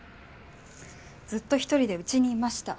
ずっと１人で家にいました。